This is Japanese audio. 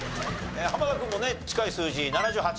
濱田君もね近い数字７８。